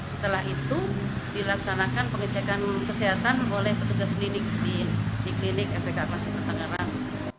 setelah itu dilaksanakan pengecekan kesehatan oleh petugas klinik di klinik efek tangerang